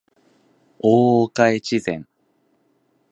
大岡越前